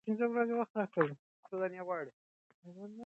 افغاني غازیان ماتي سره مخامخ سوي وو.